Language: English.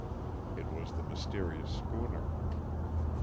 It was the mysterious schooner.